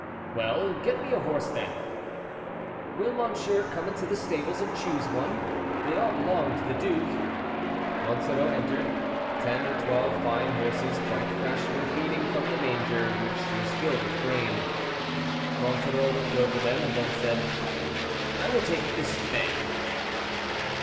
"Well, get me a horse then." "Will monsieur come into the stables and choose one? they all belong to the duke." Monsoreau entered. Ten or twelve fine horses, quite fresh, were feeding from the manger, which was filled with grain. Monsoreau looked over them, and then said, "I will take this bay."